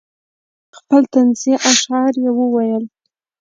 خپل طنزیه اشعار یې وویل.